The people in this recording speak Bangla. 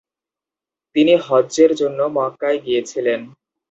তিনি হজ্জের জন্য মক্কায় গিয়েছিলেন।